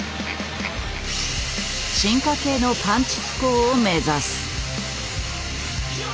進化系のパンチ機構を目指す。